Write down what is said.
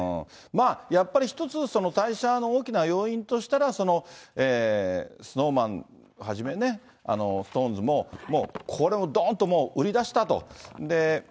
まあ、やっぱり一つ、退社の大きな要因としたら、ＳｎｏｗＭａｎはじめね、ＳｉｘＴＯＮＥＳも、これをどーんと売り出したと。